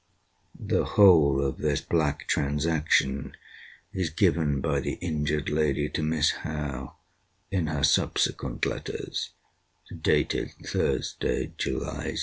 [The whole of this black transaction is given by the injured lady to Miss Howe, in her subsequent letters, dated Thursday, July 6.